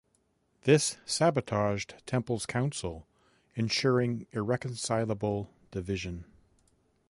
This sabotaged Temple's Council, ensuring irreconcilable division.